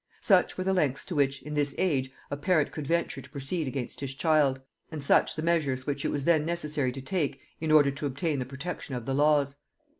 Such were the lengths to which, in this age, a parent could venture to proceed against his child, and such the measures which it was then necessary to take in order to obtain the protection of the laws.